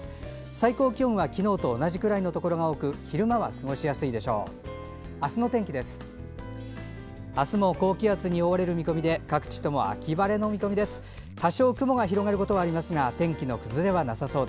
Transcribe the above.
最高気温は昨日と同じくらいのところが多く昼間は過ごしやすいでしょう。